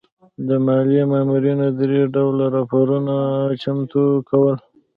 د مالیې مامورینو درې ډوله راپورونه چمتو کول.